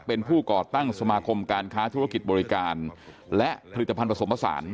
เป็นผู้ก่อตั้งสมาคมการค้าธุรกิจบริการและผลิตภัณฑ์ผสมผสาน